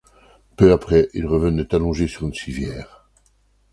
Peu après il revenait allongé sur une civière.